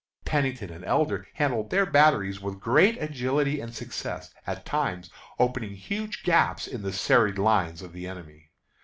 Pennington and Elder handled their batteries with great agility and success, at times opening huge gaps in the serried lines of the enemy.